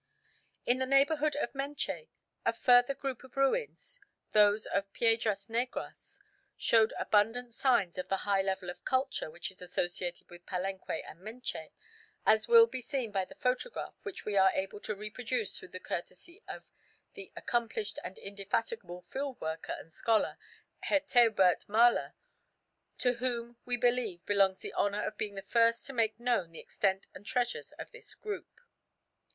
In the neighbourhood of Menché a further group of ruins, those of Piedras Negras, show abundant signs of the high level of culture which is associated with Palenque and Menché, as will be seen by the photograph which we are able to reproduce through the courtesy of the accomplished and indefatigable field worker and scholar, Herr Teobert Maler, to whom, we believe, belongs the honour of being the first to make known the extent and treasures of this group.